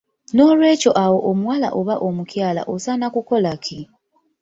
N'olwekyo awo omuwala oba omukyala osaana kukola ki?